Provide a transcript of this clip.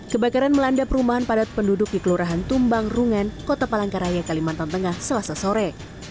kebakaran melanda perumahan padat penduduk di kelurahan tumbang rungan kota palangkaraya kalimantan tengah selasa sore